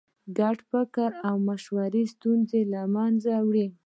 ګډ فکر او مشوره ستونزې له منځه وړي.